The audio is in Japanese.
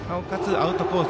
アウトコース